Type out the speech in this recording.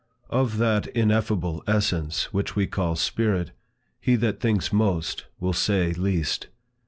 Of that ineffable essence which we call Spirit, he that thinks most, will say least.